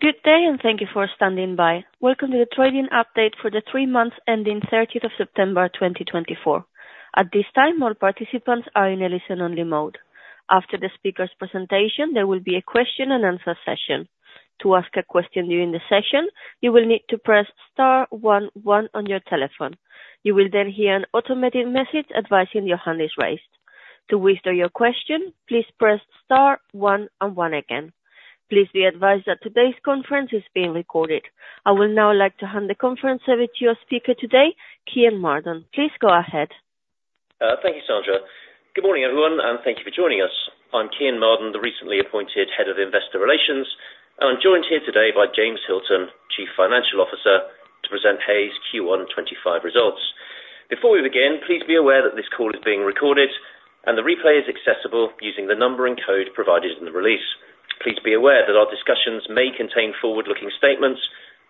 Good day, and thank you for standing by. Welcome to the trading update for the three months ending 30th of September, 2024. At this time, all participants are in a listen-only mode. After the speaker's presentation, there will be a question-and-answer session. To ask a question during the session, you will need to press star one one on your telephone. You will then hear an automated message advising your hand is raised. To withdraw your question, please press star one one again. Please be advised that today's conference is being recorded. I would now like to hand the conference over to your speaker today, Kean Marden. Please go ahead. Thank you, Sandra. Good morning, everyone, and thank you for joining us. I'm Kean Marden, the recently appointed Head of Investor Relations, and I'm joined here today by James Hilton, Chief Financial Officer, to present Hays' Q1 2025 results. Before we begin, please be aware that this call is being recorded, and the replay is accessible using the number and code provided in the release. Please be aware that our discussions may contain forward-looking statements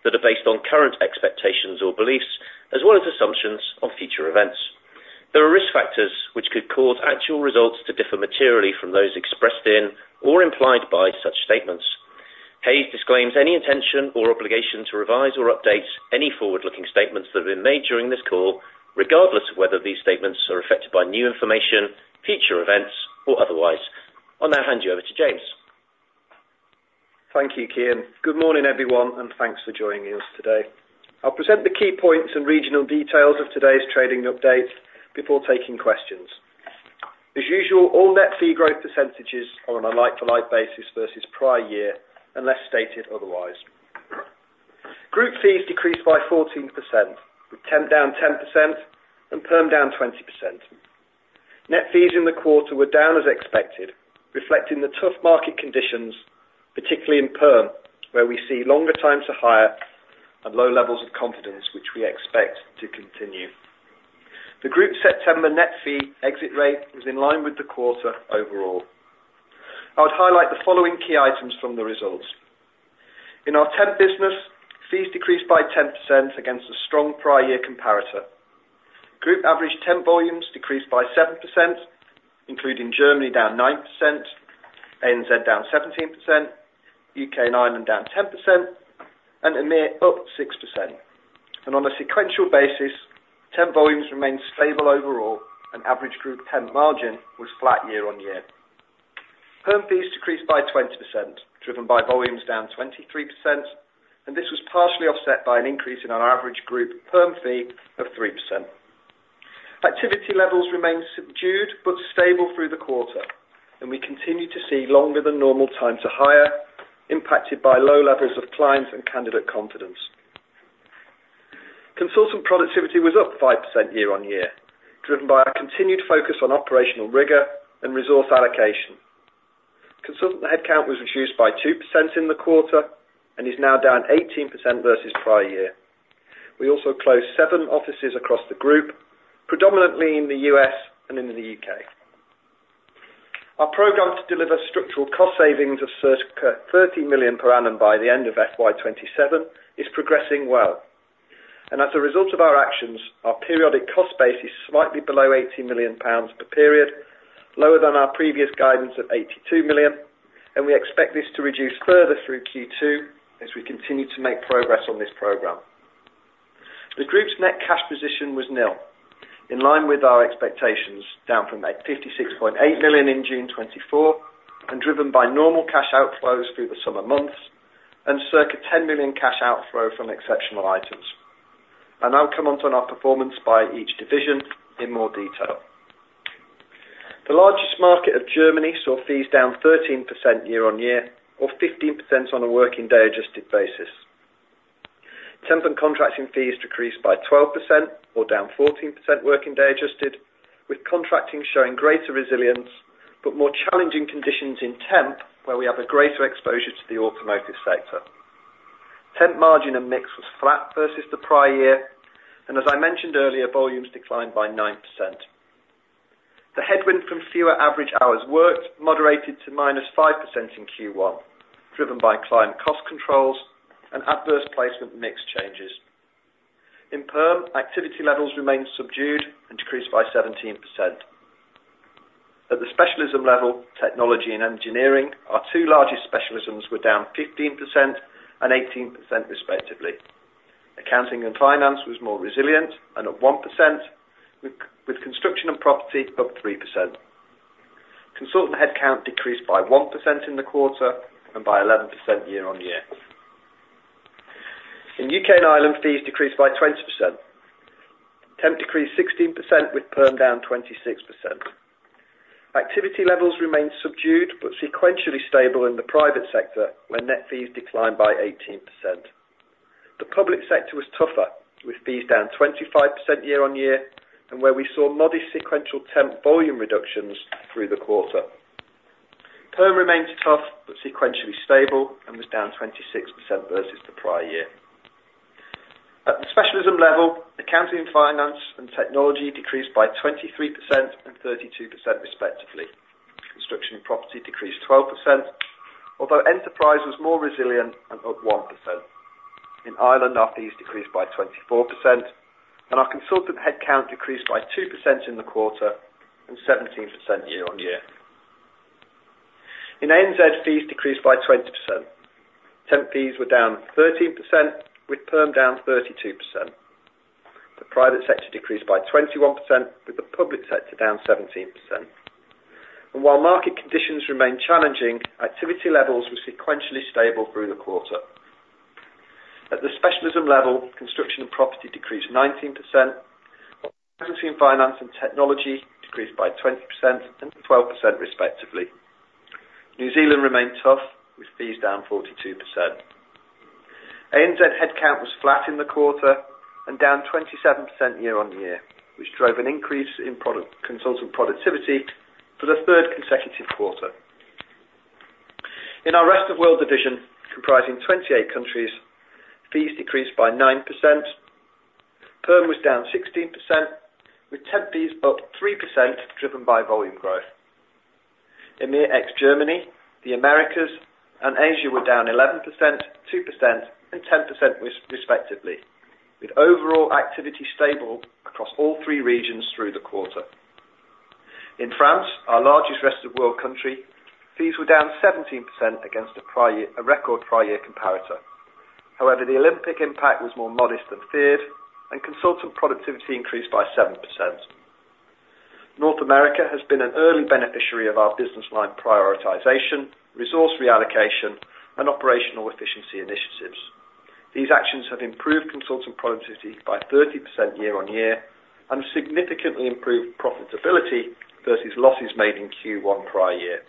that are based on current expectations or beliefs, as well as assumptions of future events. There are risk factors which could cause actual results to differ materially from those expressed in or implied by such statements. Hays disclaims any intention or obligation to revise or update any forward-looking statements that have been made during this call, regardless of whether these statements are affected by new information, future events, or otherwise. I'll now hand you over to James. Thank you, Kean. Good morning, everyone, and thanks for joining us today. I'll present the key points and regional details of today's trading update before taking questions. As usual, all net fee growth percentages are on a like-for-like basis versus prior year, unless stated otherwise. Group fees decreased by 14%, with temp down 10% and perm down 20%. Net fees in the quarter were down as expected, reflecting the tough market conditions, particularly in perm, where we see longer time to hire and low levels of confidence, which we expect to continue. The group September net fee exit rate was in line with the quarter overall. I would highlight the following key items from the results. In our temp business, fees decreased by 10% against a strong prior year comparator. Group average temp volumes decreased by 7%, including Germany down 9%, ANZ down 17%, U.K. and Ireland down 10%, and EMEA up 6%. On a sequential basis, temp volumes remained stable overall, and average group temp margin was flat year-on-year. Perm fees decreased by 20%, driven by volumes down 23%, and this was partially offset by an increase in our average group perm fee of 3%. Activity levels remained subdued but stable through the quarter, and we continue to see longer than normal time to hire, impacted by low levels of clients and candidate confidence. Consultant productivity was up 5% year-on-year, driven by our continued focus on operational rigor and resource allocation. Consultant headcount was reduced by 2% in the quarter and is now down 18% versus prior year. We also closed seven offices across the group, predominantly in the U.S. and in the U.K. Our program to deliver structural cost savings of circa 30 million per annum by the end of FY 2027 is progressing well. And as a result of our actions, our periodic cost base is slightly below 80 million pounds per period, lower than our previous guidance of 82 million, and we expect this to reduce further through Q2 as we continue to make progress on this program. The group's net cash position was nil, in line with our expectations, down from 86.8 million in June 2024 and driven by normal cash outflows through the summer months and circa 10 million cash outflow from exceptional items. I'll now come on to our performance by each division in more detail. The largest market of Germany saw fees down 13% year-on-year or 15% on a working day adjusted basis. Temp and contracting fees decreased by 12% or down 14% working day adjusted, with contracting showing greater resilience but more challenging conditions in temp, where we have a greater exposure to the automotive sector. Temp margin and mix was flat versus the prior year, and as I mentioned earlier, volumes declined by 9%. The headwind from fewer average hours worked moderated to -5% in Q1, driven by client cost controls and adverse placement mix changes. In perm, activity levels remained subdued and decreased by 17%. At the specialism level, technology and engineering, our two largest specialisms were down 15% and 18%, respectively. Accounting and finance was more resilient and at 1%, with construction and property up 3%. Consultant headcount decreased by 1% in the quarter and by 11% year-on-year. In U.K. and Ireland, fees decreased by 20%. Temp decreased 16%, with perm down 26%. Activity levels remained subdued but sequentially stable in the private sector, where net fees declined by 18%. The public sector was tougher, with fees down 25% year-on-year and where we saw modest sequential temp volume reductions through the quarter. Perm remains tough but sequentially stable and was down 26% versus the prior year. At the specialism level, accounting, finance, and technology decreased by 23% and 32%, respectively. Construction and property decreased 12%, although Enterprise was more resilient and up 1%. In Ireland, our fees decreased by 24%, and our consultant headcount decreased by 2% in the quarter and 17% year-on-year. In ANZ, fees decreased by 20%. Temp fees were down 13%, with perm down 32%. The private sector decreased by 21%, with the public sector down 17%, and while market conditions remain challenging, activity levels were sequentially stable through the quarter. At the specialism level, construction and property decreased 19%, while finance and technology decreased by 20% and 12% respectively. New Zealand remained tough, with fees down 42%. ANZ headcount was flat in the quarter and down 27% year-on-year, which drove an increase in consultant productivity for the third consecutive quarter. In our Rest of World division, comprising 28 countries, fees decreased by 9%. Perm was down 16%, with temp fees up 3%, driven by volume growth. EMEA ex-Germany, the Americas and Asia were down 11%, 2%, and 10% respectively, with overall activity stable across all three regions through the quarter. In France, our largest Rest of World country, fees were down 17% against a prior year, a record prior year comparator. However, the Olympic impact was more modest than feared, and consultant productivity increased by 7%. North America has been an early beneficiary of our business line prioritization, resource reallocation, and operational efficiency initiatives. These actions have improved consultant productivity by 30% year-on-year, and significantly improved profitability versus losses made in Q1 prior year.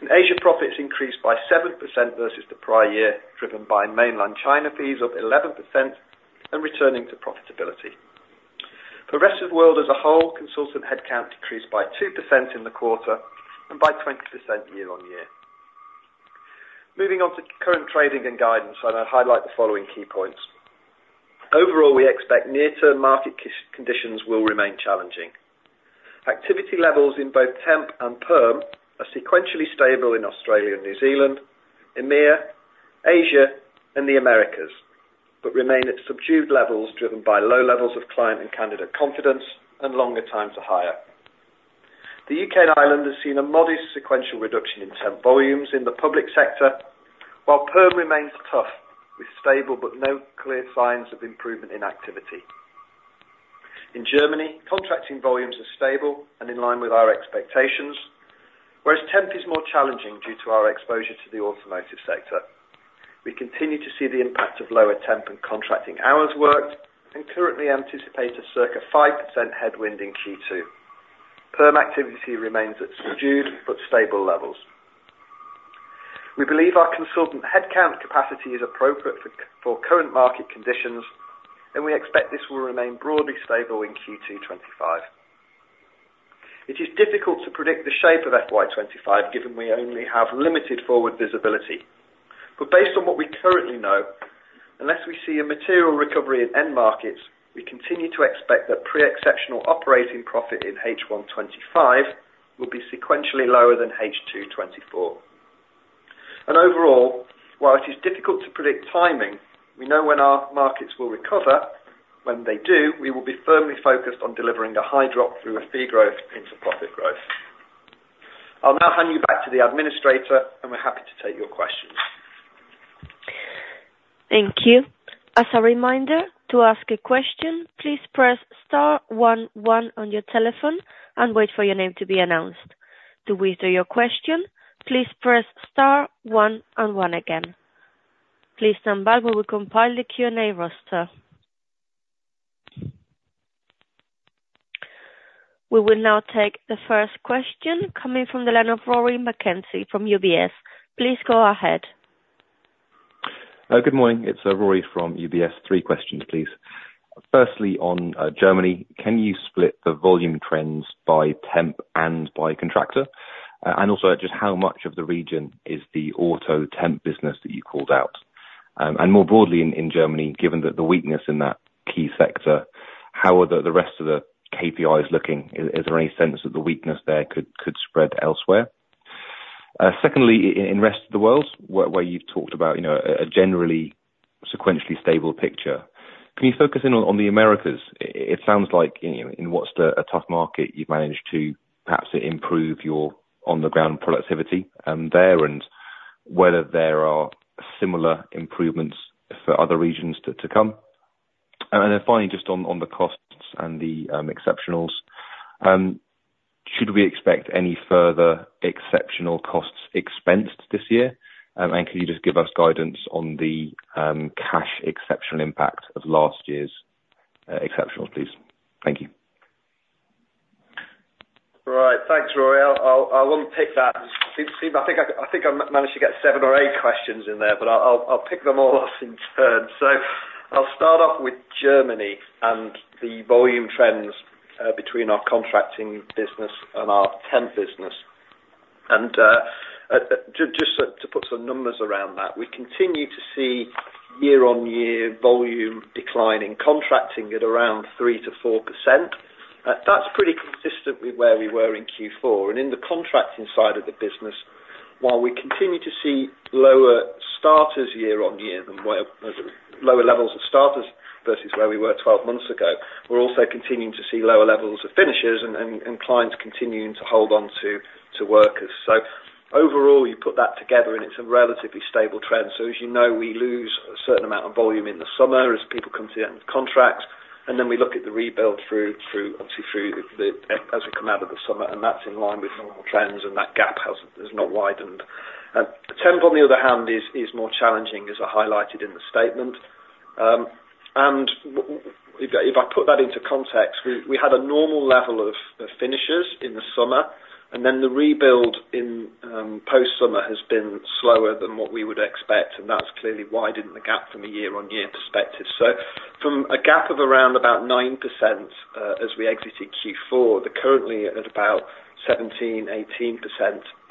In Asia, profits increased by 7% versus the prior year, driven by mainland China fees up 11% and returning to profitability. The Rest of World as a whole, consultant headcount decreased by 2% in the quarter and by 20% year-on-year. Moving on to current trading and guidance, and I highlight the following key points: Overall, we expect near-term market conditions will remain challenging. Activity levels in both temp and perm are sequentially stable in Australia and New Zealand, EMEA, Asia, and the Americas, but remain at subdued levels, driven by low levels of client and candidate confidence and longer time to hire. The U.K. and Ireland has seen a modest sequential reduction in temp volumes in the public sector, while perm remains tough, with stable but no clear signs of improvement in activity. In Germany, contracting volumes are stable and in line with our expectations, whereas temp is more challenging due to our exposure to the automotive sector. We continue to see the impact of lower temp and contracting hours worked and currently anticipate a circa 5% headwind in Q2. Perm activity remains at subdued but stable levels. We believe our consultant headcount capacity is appropriate for current market conditions, and we expect this will remain broadly stable in Q2 2025. It is difficult to predict the shape of FY 2025, given we only have limited forward visibility. But based on what we currently know, unless we see a material recovery in end markets, we continue to expect that pre-exceptional operating profit in H1 2025 will be sequentially lower than H2 2024. And overall, while it is difficult to predict timing, we know when our markets will recover. When they do, we will be firmly focused on delivering a high drop-through fee growth into profit growth. I'll now hand you back to the administrator, and we're happy to take your questions. Thank you. As a reminder, to ask a question, please press star one one on your telephone and wait for your name to be announced. To withdraw your question, please press star one and one again. Please stand by while we compile the Q&A roster. We will now take the first question coming from the line of Rory McKenzie from UBS. Please go ahead. Good morning, it's Rory from UBS. Three questions, please. Firstly, on Germany, can you split the volume trends by temp and by contractor? And also, just how much of the region is the auto temp business that you called out? And more broadly, in Germany, given that the weakness in that key sector, how are the rest of the KPIs looking? Is there any sense that the weakness there could spread elsewhere? Secondly, in Rest of World, where you've talked about, you know, a generally sequentially stable picture, can you focus in on the Americas? It sounds like in what's a tough market, you've managed to perhaps improve your on the ground productivity there, and whether there are similar improvements for other regions to come. And then finally, just on the costs and the exceptionals, should we expect any further exceptional costs expensed this year? And can you just give us guidance on the cash exceptional impact of last year's exceptionals, please? Thank you. Right. Thanks, Rory. I think I managed to get seven or eight questions in there, but I'll pick them all off in turn. So I'll start off with Germany and the volume trends between our contracting business and our temp business. And just to put some numbers around that, we continue to see year-on-year volume decline in contracting at around 3%-4%. That's pretty consistent with where we were in Q4. And in the contracting side of the business, while we continue to see lower starters year-on-year than where we were twelve months ago, we're also continuing to see lower levels of finishers and clients continuing to hold on to workers. So overall, you put that together, and it's a relatively stable trend. So as you know, we lose a certain amount of volume in the summer as people come to the end of contracts, and then we look at the rebuild through, obviously through the, as we come out of the summer, and that's in line with normal trends, and that gap has not widened. Temp, on the other hand, is more challenging, as I highlighted in the statement. And if I put that into context, we had a normal level of finishers in the summer, and then the rebuild in post-summer has been slower than what we would expect, and that's clearly widened the gap from a year-on-year perspective. So from a gap of around about 9%, as we exited Q4, they're currently at about 17-18%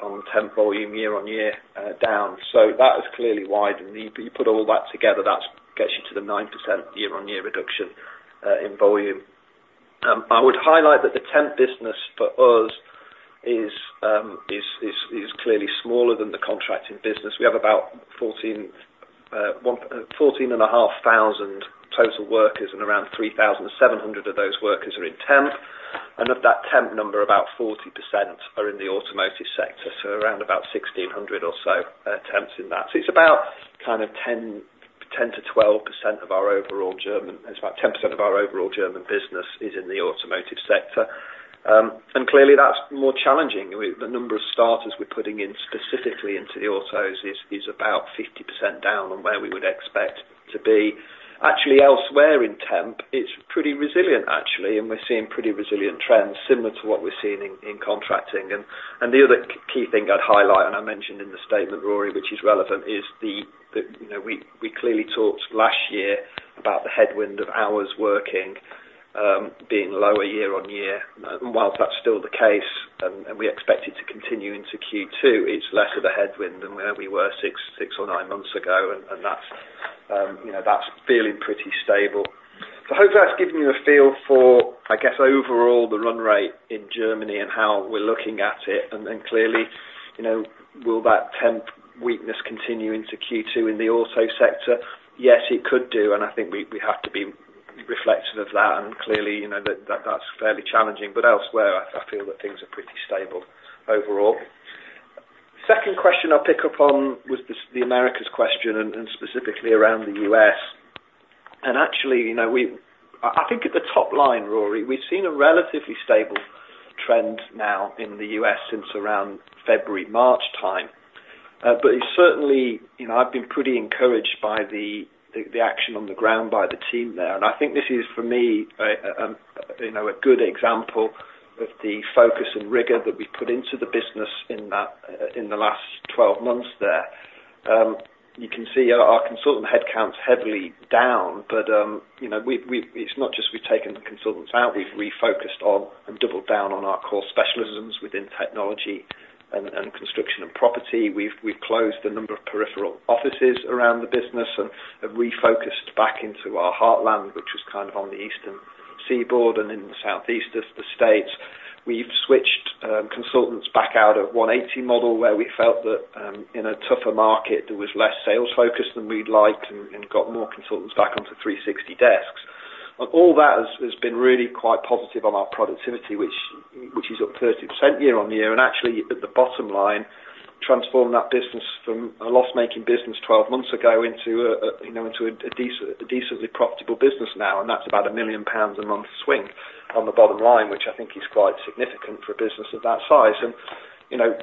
on temp volume, year-on-year, down. So that has clearly widened. You put all that together, that gets you to the 9% year-on-year reduction in volume. I would highlight that the temp business for us is clearly smaller than the contracting business. We have about fourteen and a half thousand total workers, and around 3,700 of those workers are in temp. And of that temp number, about 40% are in the automotive sector, so around about 1,600 or so temps in that. So it's about kind of 10-12% of our overall German. It's about 10% of our overall German business is in the automotive sector. And clearly, that's more challenging. I mean, the number of starters we're putting in specifically into the autos is about 50% down on where we would expect to be. Actually, elsewhere in temp, it's pretty resilient, actually, and we're seeing pretty resilient trends similar to what we're seeing in contracting. And the other key thing I'd highlight, and I mentioned in the statement, Rory, which is relevant, is that, you know, we clearly talked last year about the headwind of hours working being lower year-on-year. And while that's still the case, and we expect it to continue into Q2, it's less of a headwind than where we were six or nine months ago, and that's, you know, that's fairly pretty stable. So I hope that's given you a feel for, I guess, overall, the run rate in Germany and how we're looking at it. And then clearly, you know, will that temp weakness continue into Q2 in the auto sector? Yes, it could do, and I think we have to be reflective of that. And clearly, you know, that's fairly challenging, but elsewhere, I feel that things are pretty stable overall. Second question I'll pick up on was this, the Americas question and specifically around the U.S. And actually, you know, I think at the top line, Rory, we've seen a relatively stable trend now in the U.S. since around February, March time. But it's certainly. You know, I've been pretty encouraged by the action on the ground by the team there. And I think this is, for me, you know, a good example of the focus and rigor that we've put into the business in that, in the last twelve months there. You can see our consultant headcount is heavily down, but you know, it's not just we've taken the consultants out, we've refocused on and doubled down on our core specialisms within technology and construction and property. We've closed a number of peripheral offices around the business and refocused back into our heartland, which is kind of on the Eastern Seaboard and in the Southeast of the States. We've switched consultants back out of 180 model, where we felt that in a tougher market, there was less sales focus than we'd like and got more consultants back onto 360 desks. And all that has been really quite positive on our productivity, which is up 30% year-on-year, and actually, at the bottom line, transformed that business from a loss-making business 12 months ago into a, you know, into a decently profitable business now, and that's about 1 million pounds a month swing on the bottom line, which I think is quite significant for a business of that size. You know,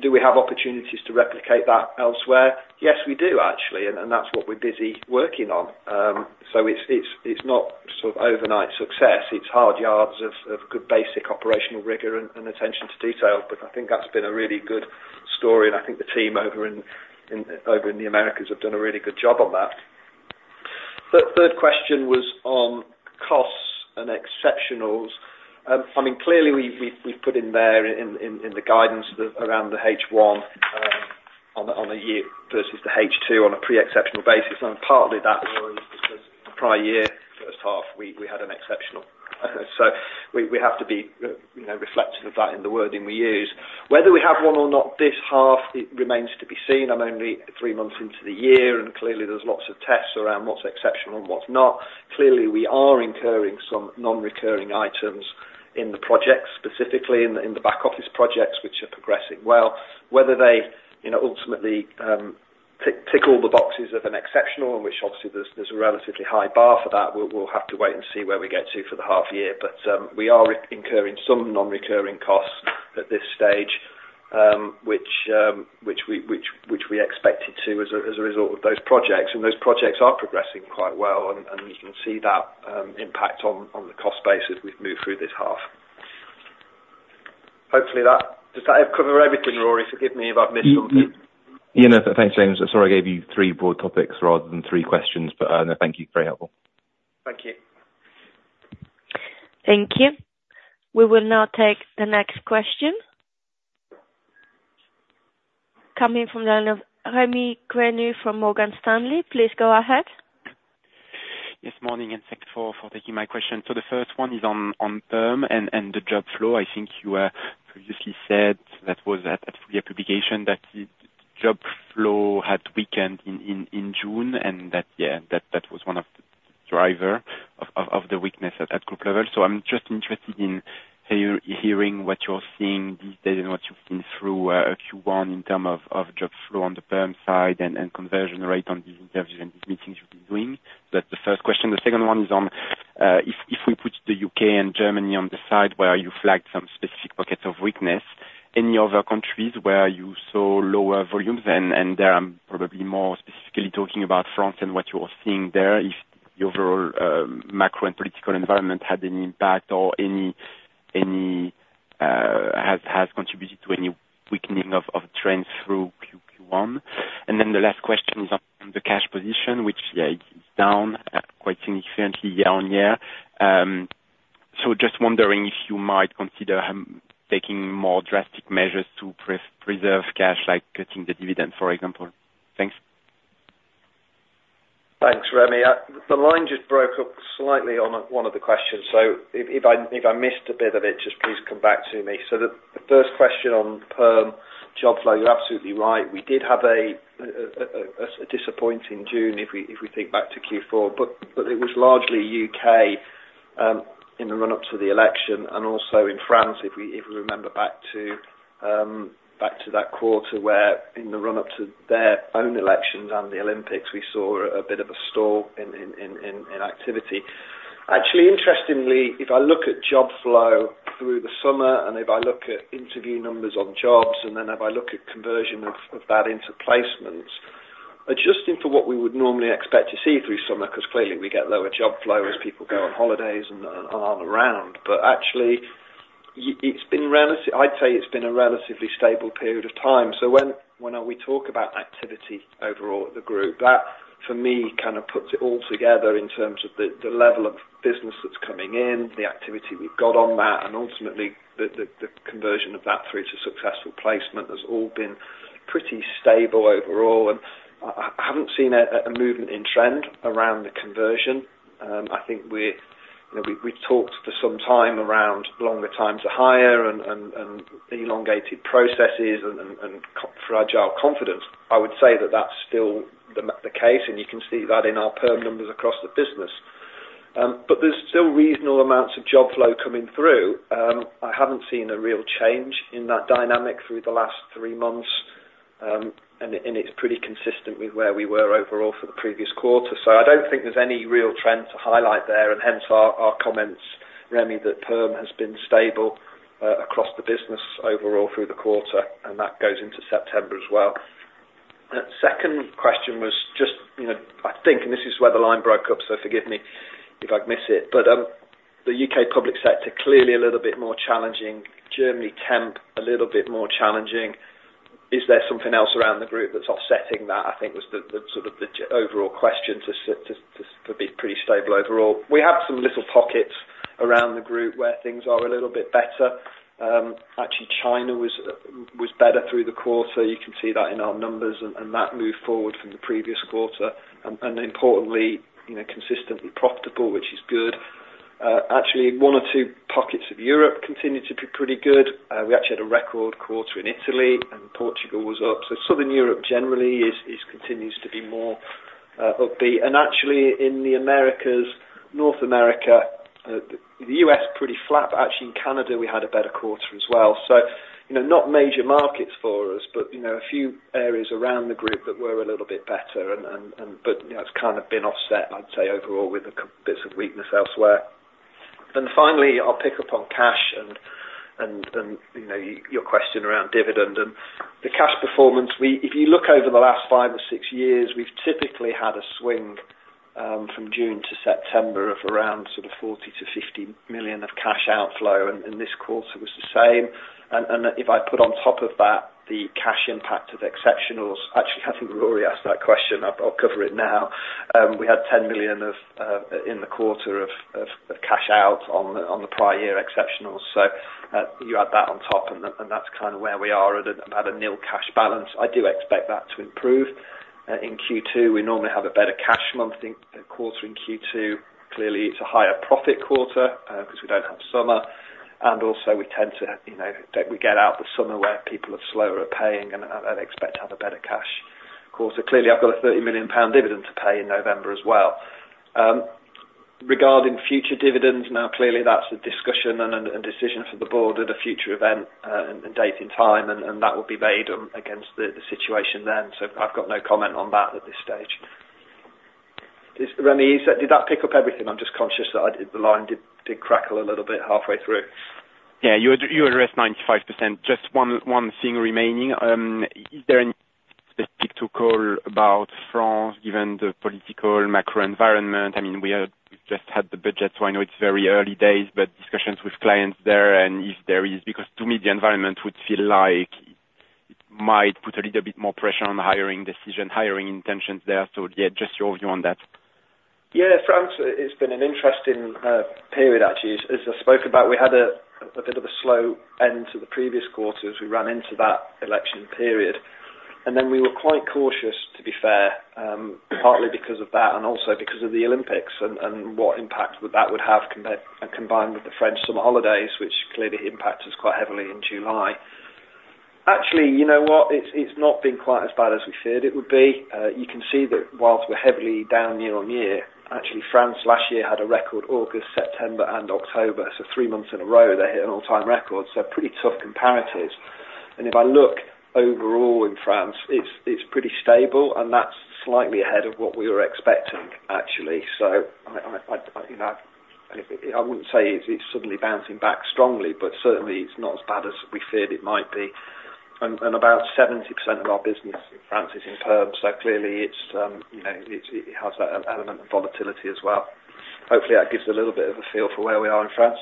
do we have opportunities to replicate that elsewhere? Yes, we do, actually, and that's what we're busy working on. So it's not sort of overnight success. It's hard yards of good basic operational rigor and attention to detail, but I think that's been a really good story, and I think the team over in the Americas have done a really good job on that. Third question was on costs and exceptionals. I mean, clearly, we've put in there in the guidance around the H1 on a year versus the H2 on a pre-exceptional basis, and partly that was because the prior year first half we had an exceptional. So we have to be you know reflective of that in the wording we use. Whether we have one or not, this half, it remains to be seen. I'm only three months into the year, and clearly there's lots of tests around what's exceptional and what's not. Clearly, we are incurring some non-recurring items in the project, specifically in the back office projects, which are progressing well. Whether they, you know, ultimately tick all the boxes of an exceptional, which obviously there's a relatively high bar for that, we'll have to wait and see where we get to for the half year. But we are incurring some non-recurring costs at this stage, which we expected to as a result of those projects. And those projects are progressing quite well, and you can see that impact on the cost base as we've moved through this half. Hopefully, that... Does that cover everything, Rory? Forgive me if I've missed something. Yeah. No, thanks, James. I'm sorry, I gave you three broad topics rather than three questions, but no, thank you. Very helpful. Thank you. Thank you. We will now take the next question coming from the line of Remi Grenu from Morgan Stanley. Please go ahead. Yes, morning, and thanks for taking my question. So the first one is on perm and the job flow. I think you previously said that was at the publication, that job flow had weakened in June, and that yeah that was one of the driver of the weakness at group level. So I'm just interested in hearing what you're seeing these days and what you've seen through Q1 in terms of job flow on the perm side and conversion rate on these interviews and these meetings you've been doing. That's the first question. The second one is on, if we put the U.K. and Germany on the side where you flagged some specific pockets of weakness, any other countries where you saw lower volumes? I'm probably more specifically talking about France and what you are seeing there, if the overall macro and political environment had any impact or has contributed to any weakening of trends through Q1. The last question is on the cash position, which yeah is down quite significantly year on year. Just wondering if you might consider taking more drastic measures to preserve cash, like cutting the dividend, for example. Thanks. Thanks, Remi. The line just broke up slightly on one of the questions, so if I missed a bit of it, just please come back to me. So the first question on perm job flow, you're absolutely right. We did have a disappointing June, if we think back to Q4, but it was largely U.K. in the run-up to the election, and also in France, if we remember back to that quarter, where in the run-up to their own elections and the Olympics, we saw a bit of a stall in activity. Actually, interestingly, if I look at job flow through the summer, and if I look at interview numbers on jobs, and then if I look at conversion of that into placements, adjusting for what we would normally expect to see through summer, 'cause clearly we get lower job flow as people go on holidays and aren't around, but actually, it's been relatively. I'd say it's been a relatively stable period of time. So when we talk about activity overall at the group, that, for me, kind of puts it all together in terms of the level of business that's coming in, the activity we've got on that, and ultimately, the conversion of that through to successful placement has all been pretty stable overall. I haven't seen a movement in trend around the conversion. I think we, you know, we've talked for some time around longer time to hire and elongated processes and fragile confidence. I would say that that's still the case, and you can see that in our perm numbers across the business, but there's still reasonable amounts of job flow coming through. I haven't seen a real change in that dynamic through the last three months, and it's pretty consistent with where we were overall for the previous quarter, so I don't think there's any real trend to highlight there, and hence our comments, Remy, that perm has been stable across the business overall through the quarter, and that goes into September as well. That second question was just, you know, I think, and this is where the line broke up, so forgive me if I've missed it, but, the U.K. public sector, clearly a little bit more challenging. Germany temp, a little bit more challenging. Is there something else around the group that's offsetting that? I think was the sort of overall question to be pretty stable overall. We have some little pockets around the group where things are a little bit better. Actually, China was better through the quarter. You can see that in our numbers, and that moved forward from the previous quarter. And importantly, you know, consistently profitable, which is good. Actually, one or two pockets of Europe continued to be pretty good. We actually had a record quarter in Italy, and Portugal was up. Southern Europe generally continues to be more upbeat. Actually, in the Americas, North America, the U.S. pretty flat. Actually, in Canada, we had a better quarter as well. You know, not major markets for us, but you know, a few areas around the group that were a little bit better. But you know, it's kind of been offset, I'd say overall, with a couple bits of weakness elsewhere. Finally, I'll pick up on cash and you know, your question around dividend. The cash performance, if you look over the last five or six years, we've typically had a swing from June to September of around sort of 40-50 million of cash outflow, and this quarter was the same. And if I put on top of that, the cash impact of exceptionals. Actually, I think we've already asked that question. I'll cover it now. We had 10 million in the quarter of cash out on the prior year exceptionals. So you add that on top, and that's kind of where we are at a nil cash balance. I do expect that to improve. In Q2, we normally have a better cash month in quarter in Q2. Clearly, it's a higher profit quarter, 'cause we don't have summer, and also we tend to, you know, we get out the summer where people are slower at paying and expect to have a better cash quarter. Clearly, I've got a 30 million pound dividend to pay in November as well. Regarding future dividends, now, clearly that's a discussion and a decision for the board at a future event, and date and time, and that will be made on, against the situation then. So I've got no comment on that at this stage. Remi, is that did that pick up everything? I'm just conscious that the line did crackle a little bit halfway through. Yeah, you addressed 95%. Just one thing remaining. Is there anything specific to call about France, given the political macro environment? I mean, we have just had the budget, so I know it's very early days, but discussions with clients there, and if there is, because to me, the environment would feel like it might put a little bit more pressure on hiring decision, hiring intentions there. So yeah, just your view on that. Yeah, France, it's been an interesting period actually. As I spoke about, we had a bit of a slow end to the previous quarter as we ran into that election period. And then we were quite cautious, to be fair, partly because of that, and also because of the Olympics and what impact that would have combined with the French summer holidays, which clearly impacts us quite heavily in July. Actually, you know what? It's not been quite as bad as we feared it would be. You can see that whilst we're heavily down year on year, actually, France last year had a record August, September and October. So three months in a row, they hit an all-time record. So pretty tough comparatives. If I look overall in France, it's pretty stable, and that's slightly ahead of what we were expecting, actually. I, you know, I wouldn't say it's suddenly bouncing back strongly, but certainly it's not as bad as we feared it might be. About 70% of our business in France is in perm. Clearly, it's you know, it has that element of volatility as well. Hopefully, that gives you a little bit of a feel for where we are in France.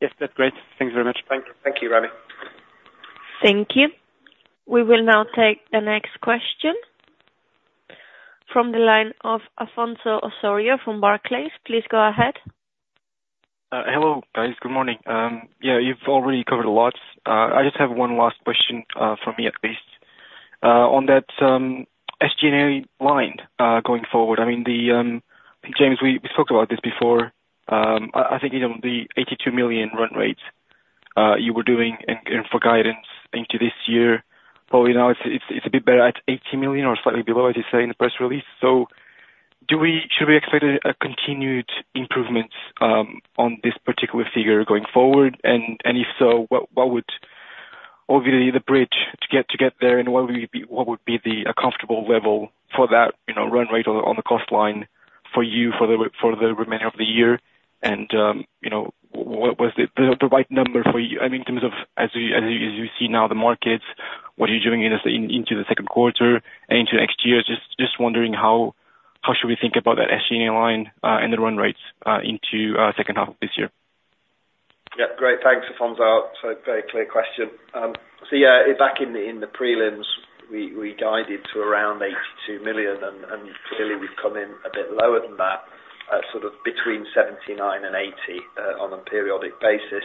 Yes, that's great. Thanks very much. Thank you, Remi. Thank you. We will now take the next question from the line of Afonso Osorio from Barclays. Please go ahead. Hello, guys. Good morning. Yeah, you've already covered a lot. I just have one last question from me, at least. On that SG&A line, going forward, I mean, James, we spoke about this before. I think, you know, the 82 million run rates you were doing and for guidance into this year, probably now it's a bit better at 80 million or slightly below. I did say in the press release. So should we expect a continued improvement on this particular figure going forward? And if so, what would obviously the bridge to get there, and what would be a comfortable level for that, you know, run rate on the cost line for you for the remainder of the year? And, you know, what was the right number for you? I mean, in terms of as you see now, the markets, what are you doing into the second quarter and into next year? Just wondering how should we think about that SG&A line, and the run rates into second half of this year? Yeah, great. Thanks, Afonso. So very clear question. So yeah, back in the prelims, we guided to around 82 million, and clearly, we've come in a bit lower than that, sort of between 79 million and 80 million on a periodic basis.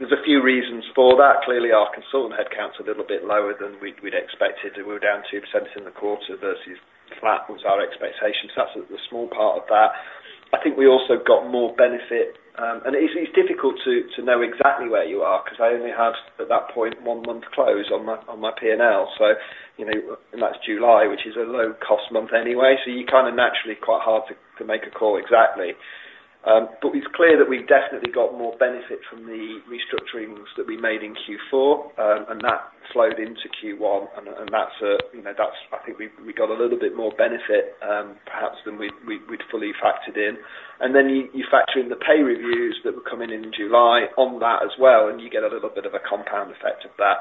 There's a few reasons for that. Clearly, our consultant headcount a little bit lower than we'd expected. We're down 2% in the quarter versus flat was our expectation. So that's a small part of that. I think we also got more benefit, and it's difficult to know exactly where you are, 'cause I only have, at that point, one month close on my P&L. So, you know, and that's July, which is a low-cost month anyway. So you kind of naturally quite hard to make a call exactly. But it's clear that we've definitely got more benefit from the restructurings that we made in Q4, and that flowed into Q1. And that's, you know, that's. I think we got a little bit more benefit, perhaps than we'd fully factored in. And then you factor in the pay reviews that were coming in in July on that as well, and you get a little bit of a compound effect of that.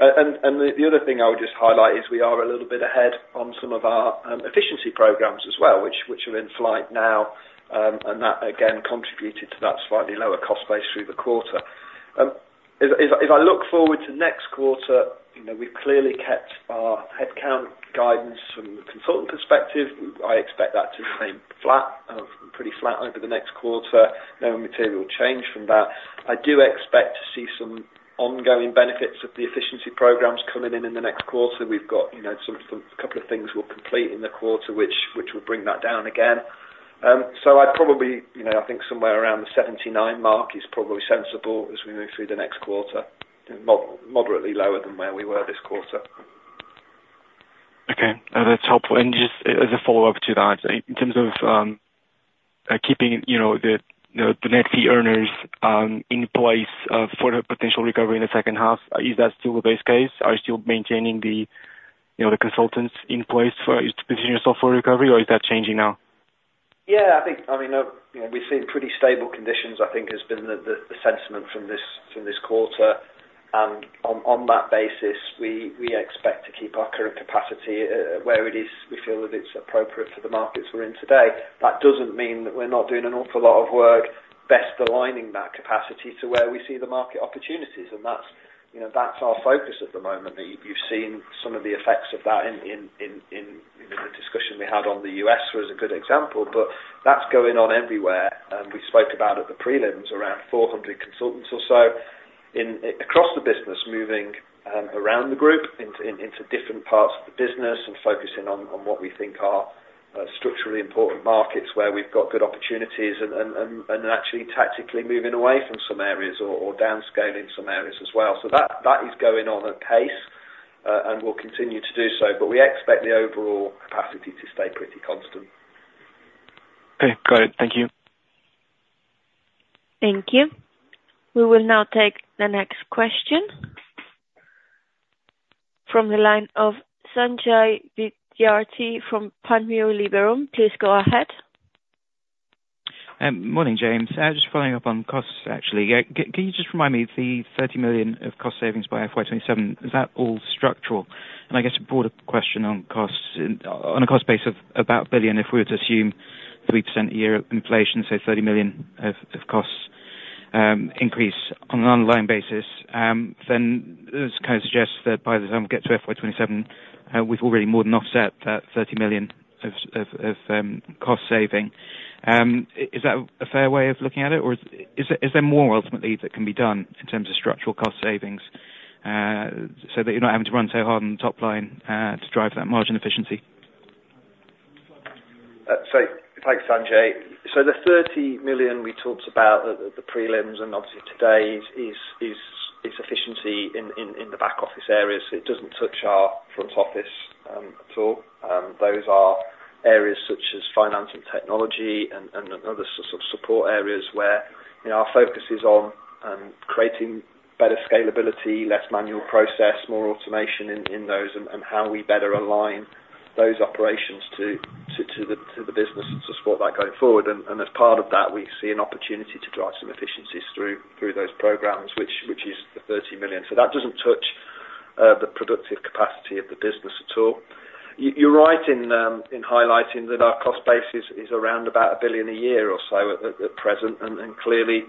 And the other thing I would just highlight is we are a little bit ahead on some of our efficiency programs as well, which are in flight now, and that again contributed to that slightly lower cost base through the quarter. If I look forward to next quarter, you know, we've clearly kept our headcount guidance from a consultant perspective. I expect that to remain flat, pretty flat over the next quarter. No material change from that. I do expect to see some ongoing benefits of the efficiency programs coming in in the next quarter. We've got, you know, some, a couple of things we'll complete in the quarter, which will bring that down again. So I'd probably, you know, I think somewhere around the 79 mark is probably sensible as we move through the next quarter, moderately lower than where we were this quarter. Okay, that's helpful. And just as a follow-up to that, in terms of keeping, you know, the, you know, the net fee earners in place for the potential recovery in the second half, is that still the base case? Are you still maintaining the, you know, the consultants in place for to position yourself for recovery, or is that changing now? Yeah, I think, I mean, you know, we've seen pretty stable conditions. I think has been the sentiment from this quarter. And on that basis, we expect to keep our current capacity where it is. We feel that it's appropriate for the markets we're in today. That doesn't mean that we're not doing an awful lot of work, best aligning that capacity to where we see the market opportunities. And that's, you know, that's our focus at the moment. You've seen some of the effects of that in the discussion we had on the U.S. was a good example, but that's going on everywhere. We spoke about at the prelims, around 400 consultants or so in across the business, moving around the group into different parts of the business and focusing on what we think are structurally important markets, where we've got good opportunities and actually tactically moving away from some areas or downscaling some areas as well. So that is going on apace and will continue to do so, but we expect the overall capacity to stay pretty constant. Okay, got it. Thank you. Thank you. We will now take the next question from the line of Sanjay Vidyarthi from Panmure Liberum. Please go ahead. Morning, James. Just following up on costs, actually. Can you just remind me the 30 million of cost savings by FY 2027, is that all structural? And I guess a broader question on costs, on a cost base of about 1 billion, if we were to assume 3% a year inflation, so 30 million of costs increase on an ongoing basis, then this kind of suggests that by the time we get to FY 2027, we've already more than offset that 30 million of cost savings. Is that a fair way of looking at it, or is there more ultimately that can be done in terms of structural cost savings, so that you're not having to run so hard on the top line, to drive that margin efficiency? So thanks, Sanjay. So the 30 million we talked about at the prelims and obviously today is efficiency in the back office areas. It doesn't touch our front office at all. Those are areas such as finance and technology and other sort of support areas where, you know, our focus is on creating better scalability, less manual process, more automation in those, and how we better align those operations to the business to support that going forward. And as part of that, we see an opportunity to drive some efficiencies through those programs, which is the 30 million. So that doesn't touch the productive capacity of the business at all. You, you're right in highlighting that our cost base is around about 1 billion a year or so at present, and then clearly,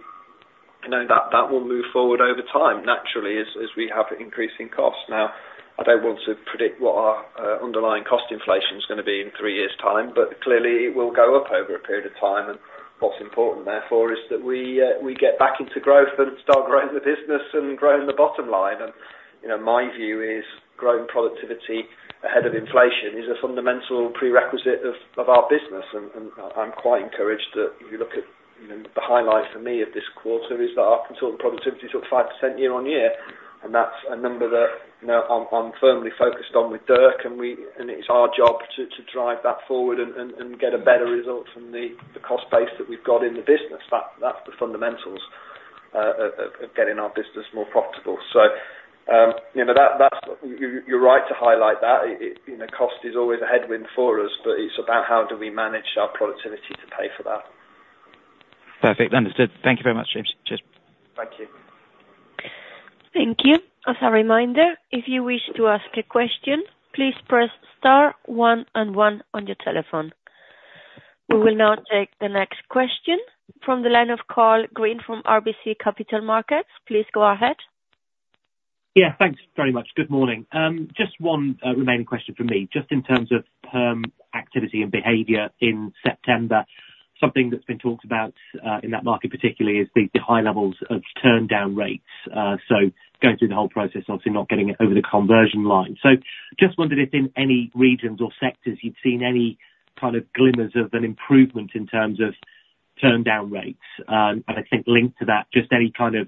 you know, that will move forward over time, naturally, as we have increasing costs. Now, I don't want to predict what our underlying cost inflation is gonna be in three years' time, but clearly, it will go up over a period of time. And what's important, therefore, is that we get back into growth and start growing the business and growing the bottom line. And, you know, my view is growing productivity ahead of inflation is a fundamental prerequisite of our business, and I'm quite encouraged that if you look at... You know, the highlight for me of this quarter is that our consultant productivity is up 5% year-on-year, and that's a number that, you know, I'm firmly focused on with Dirk, and it's our job to drive that forward and get a better result from the cost base that we've got in the business. That's the fundamentals of getting our business more profitable. So, you know, that's... You're right to highlight that. It, you know, cost is always a headwind for us, but it's about how do we manage our productivity to pay for that. Perfect. Understood. Thank you very much, James. Cheers. Thank you. Thank you. As a reminder, if you wish to ask a question, please press star one and one on your telephone. We will now take the next question from the line of Karl Green from RBC Capital Markets. Please go ahead. Yeah, thanks very much. Good morning. Just one remaining question from me. Just in terms of perm activity and behavior in September, something that's been talked about in that market particularly is the high levels of turndown rates. So going through the whole process, obviously not getting it over the conversion line. So just wondered if in any regions or sectors you've seen any kind of glimmers of an improvement in terms of turndown rates? And I think linked to that, just any kind of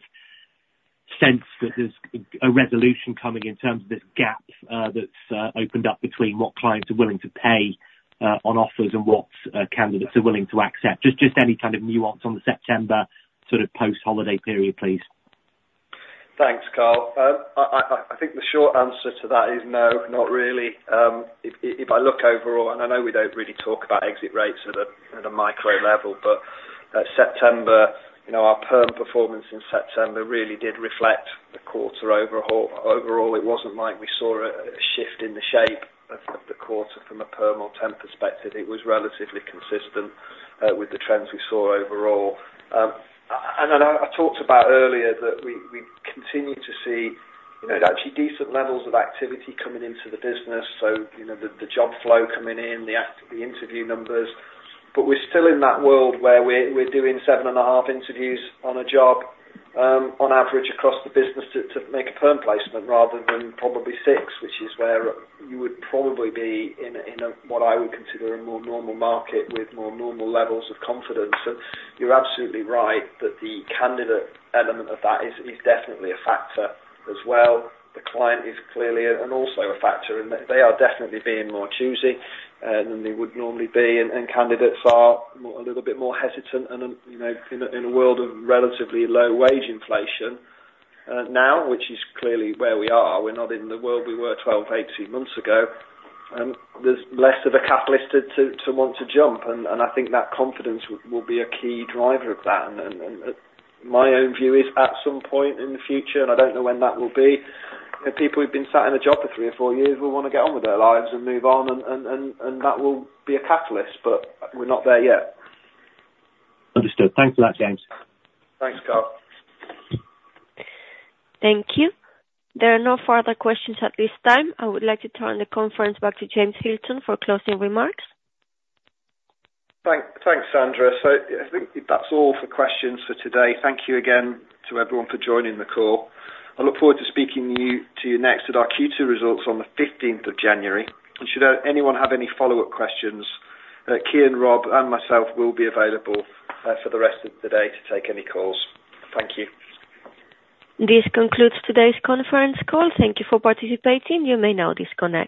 sense that there's a resolution coming in terms of this gap that's opened up between what clients are willing to pay on offers and what candidates are willing to accept. Just any kind of nuance on the September, sort of, post-holiday period, please. Thanks, Karl. I think the short answer to that is no, not really. If I look overall, and I know we don't really talk about exit rates at a micro level, but September, you know, our perm performance in September really did reflect the quarter overall. Overall, it wasn't like we saw a shift in the shape of the quarter from a perm or temp perspective. It was relatively consistent with the trends we saw overall. And I talked about earlier that we continue to see, you know, actually decent levels of activity coming into the business, so you know, the job flow coming in, the interview numbers. But we're still in that world where we're doing seven and a half interviews on a job, on average across the business to make a perm placement, rather than probably six, which is where you would probably be in a what I would consider a more normal market with more normal levels of confidence. So you're absolutely right that the candidate element of that is definitely a factor as well. The client is clearly also a factor, and they are definitely being more choosy than they would normally be, and candidates are more, a little bit more hesitant. You know, in a world of relatively low wage inflation now, which is clearly where we are. We're not in the world we were twelve, eighteen months ago. There's less of a catalyst to want to jump, and I think that confidence will be a key driver of that. My own view is, at some point in the future, and I don't know when that will be, the people who've been sat in a job for three or four years will wanna get on with their lives and move on, and that will be a catalyst, but we're not there yet. Understood. Thanks for that, James. Thanks, Karl. Thank you. There are no further questions at this time. I would like to turn the conference back to James Hilton for closing remarks. Thanks, Sandra. So I think that's all for questions for today. Thank you again to everyone for joining the call. I look forward to speaking to you next at our Q2 results on the 15th of January. And should anyone have any follow-up questions, Kean, Rob, and myself will be available for the rest of the day to take any calls. Thank you. This concludes today's conference call. Thank you for participating. You may now disconnect.